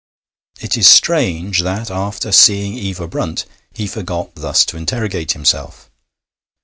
It is strange that after seeing Eva Brunt he forgot thus to interrogate himself.